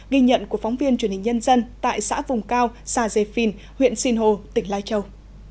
ghi nhận của phóng viên truyền hình nhân dân tại xã vùng cao xã dê phìn huyện sinh hồ tỉnh lai châu